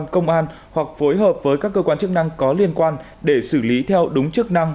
công an hoặc phối hợp với các cơ quan chức năng có liên quan để xử lý theo đúng chức năng